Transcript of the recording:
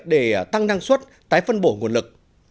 để tăng năng suất tái phân bổ nguồn lực